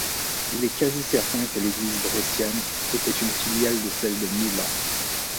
Il est quasi certain que l'église bresciane était une filiale de celle de Milan.